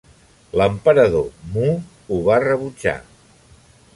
L'emperador Mu ho va rebutjar.